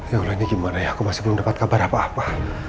ya allah ini gimana ya aku masih belum dapat kabar apa apa